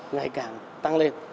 ngày càng tăng lên